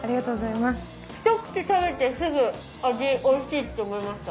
ひと口食べてすぐ味おいしいって思いました。